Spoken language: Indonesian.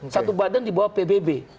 satu badan di bawah pbb